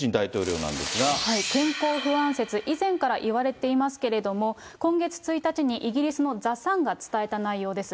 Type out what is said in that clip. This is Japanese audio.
健康不安説、以前からいわれていますけれども、今月１日にイギリスのザ・サンが伝えた内容です。